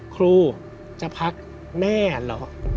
ครูจะพักแม่เหรอ